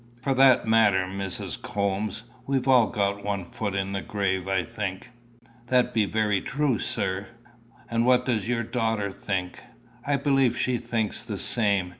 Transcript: "For that matter, Mrs. Coombes, we've all got one foot in the grave, I think." "That be very true, sir." "And what does your daughter think?" "I believe she thinks the same.